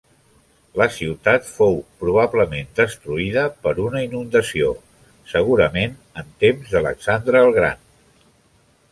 La ciutat fou probablement destruïda per una inundació, segurament en temps d'Alexandre el Gran.